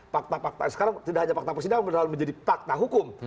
pakta pakta sekarang tidak hanya pakta persidangan tapi dalam hal menjadi pakta hukum